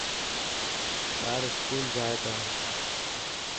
ٻار اسڪول جائي تا.